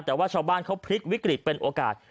แต่ว่าชาวบ้านเขาพลิกวิกฤตเป็นโอกาส